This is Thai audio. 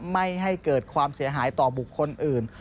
ไม่ให้เกิดความเสียหายต่อบุคคลอื่น